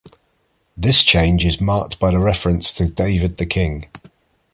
This change is marked by the reference to David the king.